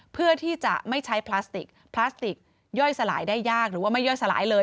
เพื่อที่จะไม่ใช้พลาสติกพลาสติกย่อยสลายได้ยากหรือว่าไม่ย่อยสลายเลย